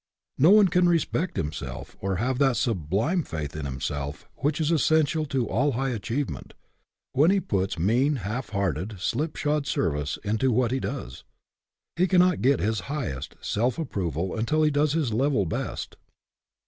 No one can respect himself, or have that sublime faith in himself, which is essential to all high achievement, when he puts mean, half hearted, slipshod service into what he does. He cannot get his highest self ap proval until he does his level best.